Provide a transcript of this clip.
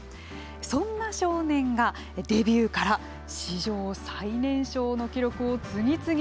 そんな少年が、デビューから史上最年少の記録を次々と更新。